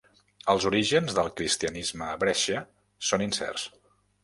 Els orígens del cristianisme a Brescia són incerts.